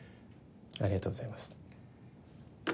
ありがとうございます。